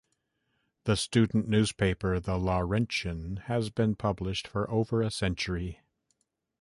The student newspaper, "The Lawrentian", has been published for over a century.